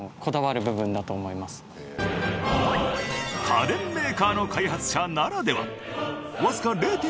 家電メーカーの開発者ならでは。